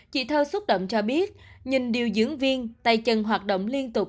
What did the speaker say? chị thơ xúc động cho biết nhìn điều dưỡng viên tay chân hoạt động liên tục